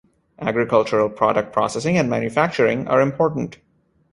Agricultural product processing and manufacturing are important.